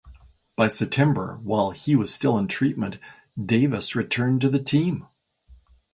By September, while he was still in treatment, Davis returned to the team.